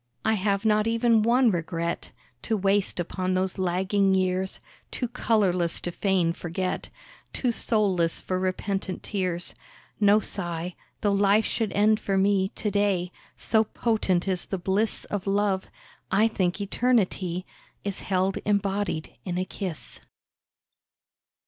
I have not even one regret To waste upon those lagging years, Too colourless to feign forget, Too soulless for repentant tears. No sigh, though life should end for me To day; so potent is the bliss Of love, I think eternity Is held embodied in a kiss.